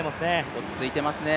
落ち着いてますね